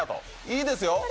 いいですよ